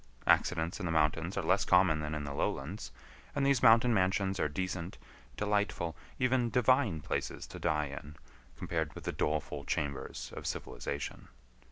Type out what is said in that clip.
Accidents in the mountains are less common than in the lowlands, and these mountain mansions are decent, delightful, even divine, places to die in, compared with the doleful chambers of civilization.